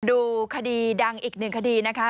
ดูคดีดังอีกหนึ่งคดีนะคะ